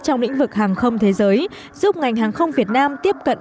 trong lĩnh vực hàng không thế giới giúp ngành hàng không việt nam tiếp cận